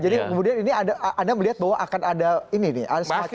jadi kemudian ini anda melihat bahwa akan ada ini nih